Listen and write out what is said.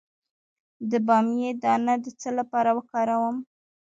د بامیې دانه د څه لپاره وکاروم؟